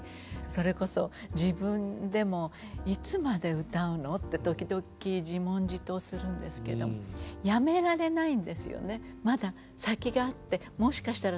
それこそ自分でもいつまで歌うのって時々自問自答するんですけどやめられないんですよね。